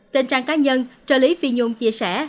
trên trang cá nhân trợ lý phi nhung chia sẻ